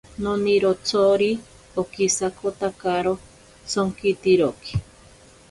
Nonirotsori okisakotakaro tsonkitiroki.